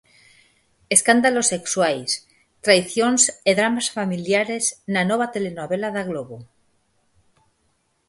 Escándalos sexuais, traicións e dramas familiares na nova telenovela da Globo